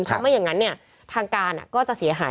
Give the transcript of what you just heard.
ถ้าไม่อย่างนั้นเนี่ยทางการอะก็จะเสียหาย